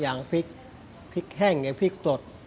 กล่าวค้านถึงกุ้ยเตี๋ยวลุกชิ้นหมูฝีมือลุงส่งมาจนถึงทุกวันนี้นั่นเองค่ะ